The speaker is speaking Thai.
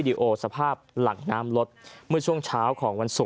นี่นี่นี่นี่